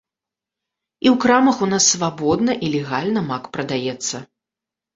І ў крамах у нас свабодна і легальна мак прадаецца.